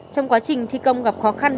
trong quá trình thi công gặp khó khăn